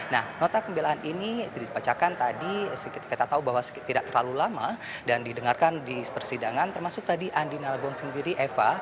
nah nota pembelaan ini dibacakan tadi kita tahu bahwa tidak terlalu lama dan didengarkan di persidangan termasuk tadi andi narogong sendiri eva